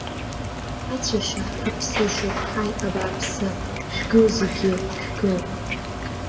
Ҳацәашьа ҳаԥсышьоуп, ҳаи абааԥсы, шәгыл зегьы, шәгыл!